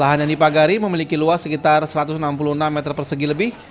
lahan yang dipagari memiliki luas sekitar satu ratus enam puluh enam meter persegi lebih